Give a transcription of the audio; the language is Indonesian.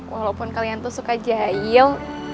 walaupun kalian tuh suka jahil